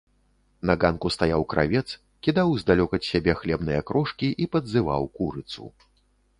На ганку стаяў кравец, кідаў здалёк ад сябе хлебныя крошкі і падзываў курыцу.